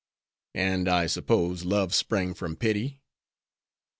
"And I suppose love sprang from pity."